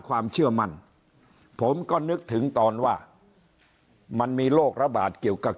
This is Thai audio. ความเชื่อมั่นผมก็นึกถึงตอนว่ามันมีโรคระบาดเกี่ยวกับ